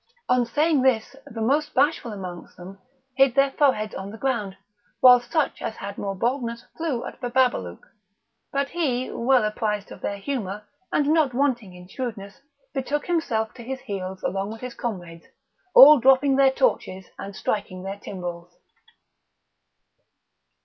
On saying this the most bashful amongst them hid their foreheads on the ground, whist such as had more boldness flew at Bababalouk; but he, well apprized of their humour, and not wanting in shrewdness, betook himself to his heels along with his comrades, all dropping their torches and striking their tymbals.